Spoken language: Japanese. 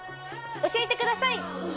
教えてください！